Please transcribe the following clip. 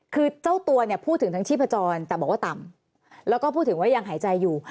คือเจ้าตัวเนี่ยพูดถึงทั้งชีพจรแต่บอกว่าต่ำแล้วก็พูดถึงว่ายังหายใจอยู่